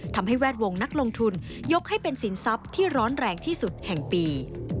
ทำให้แวดวงนักลงทุนยกให้เป็นสินทรัพย์ที่ร้อนแรงที่สุดแห่งปี